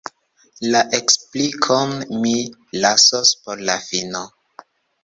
La eksplikon… mi lasos por la fino.